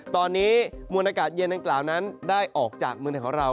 ตอนนี้มูลอากาศเย็นต่างนั้นได้ออกจากเมืองในของเรา